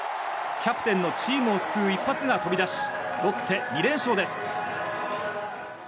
キャプテンのチームを救う一発が飛び出しロッテ、２連勝です。